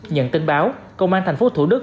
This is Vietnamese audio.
nhận tin báo công an thành phố thủ đức